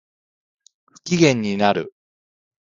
不機嫌になる